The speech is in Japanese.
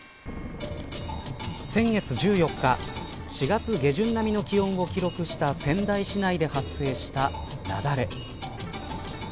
先月１４日４月下旬並みの気温を記録した仙台市内で発生した雪崩。